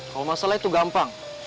kalau masalah itu gampang